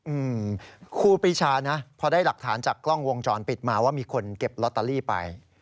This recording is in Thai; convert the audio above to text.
อืมครูปีชานะพอได้หลักฐานจากกล้องวงจรปิดมาว่ามีคนเก็บลอตเตอรี่ไป